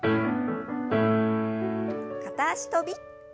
片脚跳び。